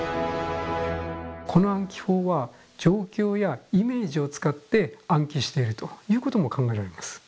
この暗記法は状況やイメージを使って暗記しているということも考えられます。